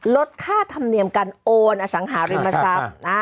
ลดค่าธรรมเนียมการโอนอสังหาริมทรัพย์